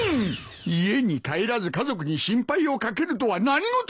家に帰らず家族に心配を掛けるとは何ごとだ！